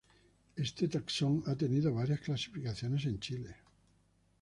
Este taxón ha tenido varias clasificaciones en Chile.